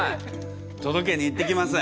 届けに行ってきます。